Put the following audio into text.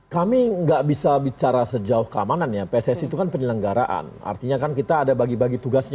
kami nggak bisa bicara sejauh keamanan ya pssi itu kan penyelenggaraan artinya kan kita ada bagi bagi tugasnya